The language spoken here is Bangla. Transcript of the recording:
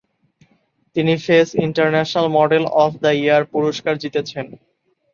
তিনি "face international model of the year" পুরস্কার জিতেছেন।